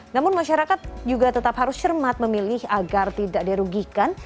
namun masyarakat juga tetap harus cermat memilih agar tidak dirugikan